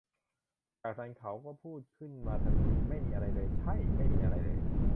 จากนั้น เขาก็พูด ขึ้นมาทันที ไม่มีอะไรเลย ใช่ ! ! ไม่มีอะไรเลย